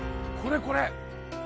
これこれ！